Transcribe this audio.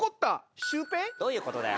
どういうことだよ？